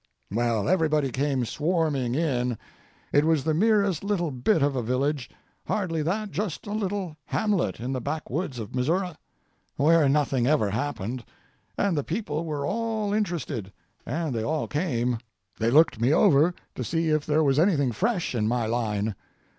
Well, everybody came swarming in. It was the merest little bit of a village—hardly that, just a little hamlet, in the backwoods of Missouri, where nothing ever happened, and the people were all interested, and they all came; they looked me over to see if there was anything fresh in my line.